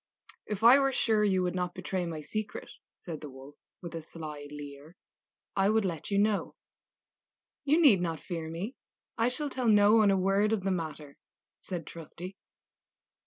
"If I were sure you would not betray my secret," said the Wolf, with a sly leer, "I would let you know." "You need not fear me; I shall tell no one a word of the matter," said Trusty.